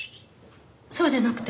そうじゃなくて。